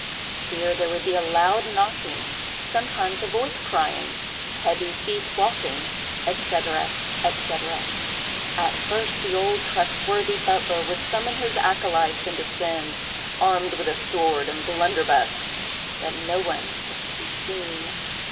Here there would be a loud knocking—sometimes a voice crying—heavy feet walking, &c., &c. At first, the old trustworthy butler would summon his accolytes, and descend, armed with sword and blunderbuss; but no one was to be seen.